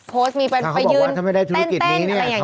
โพสต์มีเป็นไปยืนแต้งอย่างนี้